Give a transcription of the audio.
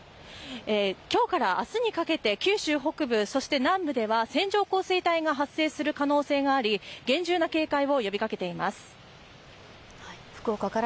今日から明日にかけて九州北部、そして南部では線状降水帯が発生する可能性があり厳重な警戒を呼びかけています。